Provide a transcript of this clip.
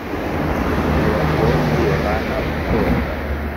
Umurongo wo muri Yohana usoza